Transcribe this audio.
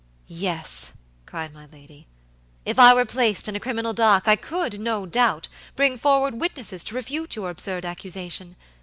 "Yes," cried my lady, "if I were placed in a criminal dock I could, no doubt, bring forward witnesses to refute your absurd accusation.